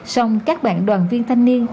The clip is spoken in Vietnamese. song các bạn đoàn viên thanh niên